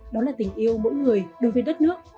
đó là tình yêu mỗi người đối với đất nước